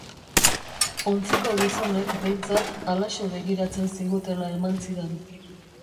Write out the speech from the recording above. Ontziko gizonek, behintzat, halaxe begiratzen zigutela eman zidan.